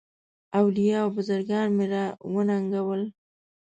اولیاء او بزرګان مي را وننګول.